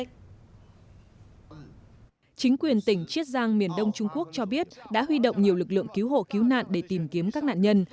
chính quyền tỉnh chiết giang miền đông trung quốc cho biết đã huy động nhiều lực lượng cứu hộ cứu nạn để tìm kiếm các nạn nhân